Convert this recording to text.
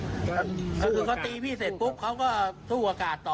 คือเขาตีพี่เสร็จปุ๊บเขาก็สู้อากาศต่อ